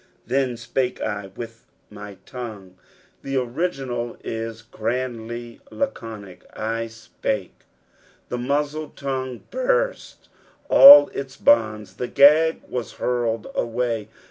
"TA^a tpaJce I aith my tongue," The original is grandly lai^onic. "/ «piix." The muzzled tongue burst all its bonds. The gag was hurled away.